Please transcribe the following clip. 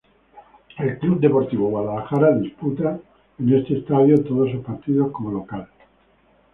El Club Deportivo Guadalajara disputa en este estadio todos sus partidos como local.